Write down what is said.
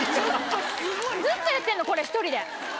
ずっとやってんのこれ１人で。